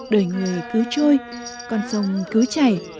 đời người cứ trôi con sông cứ chảy